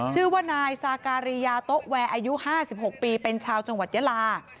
ชื่อว่านายซาการียาโต๊ะแวร์อายุ๕๖ปีเป็นชาวจังหวัดยาลา